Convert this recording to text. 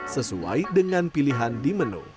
sesuai dengan pilihan di menu